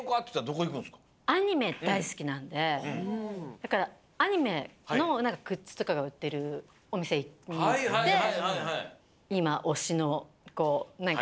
だからアニメのグッズとかがうってるおみせにいっていまおしのこうなんか。